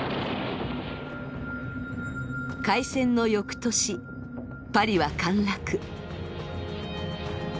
開戦の翌年パリは陥落。